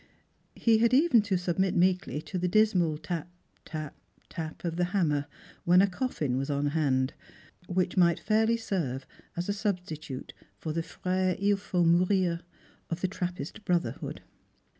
He had even to submit meekly to the dismal tap, tap, tap of the hammer when a coffin was on hand, which might fairly serve as a substitute for tho " Frere ilfaut mourir f of the Trajipist brotherhood.